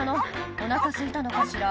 お腹すいたのかしら」